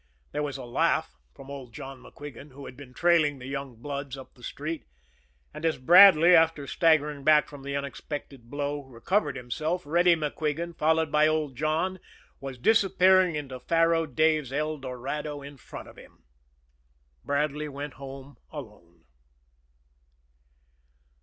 There was a laugh from old John MacQuigan, who had been trailing the young bloods up the street. And as Bradley, after staggering back from the unexpected blow, recovered himself, Reddy MacQuigan, followed by old John, was disappearing into Faro Dave's "El Dorado" in front of him. Bradley went home alone.